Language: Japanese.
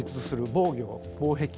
防御防壁。